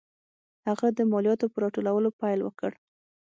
هغه د مالیاتو په راټولولو پیل وکړ.